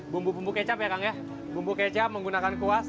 bumbu bumbu kecap ya kang ya bumbu kecap menggunakan kuas